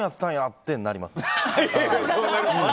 ってなります。